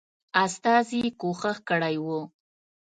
استازي کوښښ کړی وو.